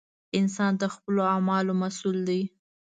• انسان د خپلو اعمالو مسؤل دی.